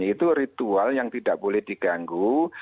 itu ritual yang tidak boleh diganggu